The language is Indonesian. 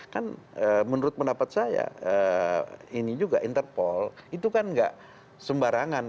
kan menurut pendapat saya ini juga interpol itu kan gak sembarangan